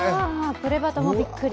「プレバト！！」もびっくり。